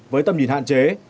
với tầm nhìn hạn chế